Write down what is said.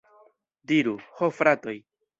Diru, ho fratoj!